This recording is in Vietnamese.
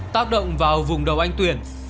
tác động vào vùng đầu anh tuyển